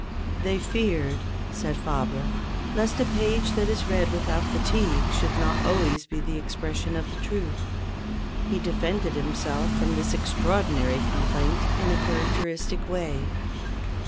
They feared, said Fabre, "lest a page that is read without fatigue should not always be the expression of the truth." He defended himself from this extraordinary complaint in a characteristic way.